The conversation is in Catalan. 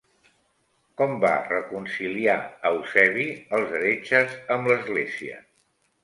Com va reconciliar Eusebi els heretges amb l'església?